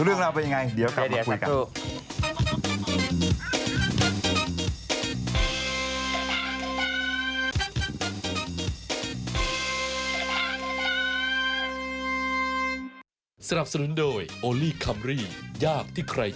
เรื่องราวเป็นยังไงเดี๋ยวกลับมาคุยกัน